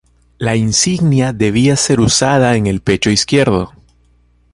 La insignia debía ser usada en el pecho izquierdo.